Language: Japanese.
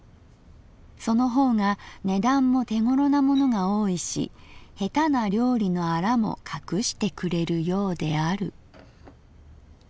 その方が値段も手ごろなものが多いし下手な料理のアラもかくしてくれるようである」。